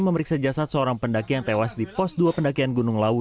memeriksa jasad seorang pendaki yang tewas di pos dua pendakian gunung lawu